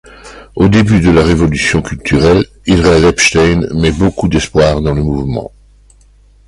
Au début de la révolution culturelle, Israel Epstein met beaucoup d'espoirs dans le mouvement.